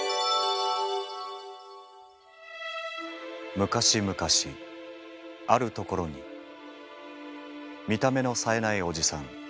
昔昔ある所に見た目のさえないおじさん